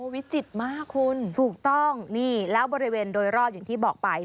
วิจิตรมากคุณถูกต้องนี่แล้วบริเวณโดยรอบอย่างที่บอกไป